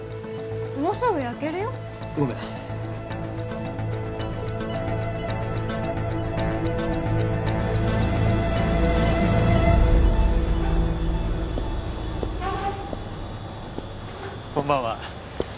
もうすぐ焼けるよごめんこんばんは